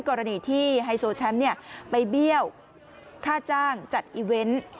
กรณีที่ไฮโซแชมป์ไปเบี้ยวค่าจ้างจัดอีเวนต์